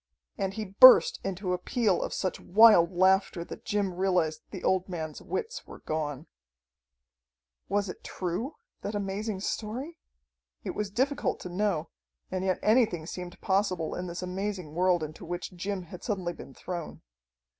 And he burst into a peal of such wild laughter that Jim realized the old man's wits were gone. Was it true, that amazing story? It was difficult to know, and yet anything seemed possible in this amazing world into which Jim had suddenly been thrown.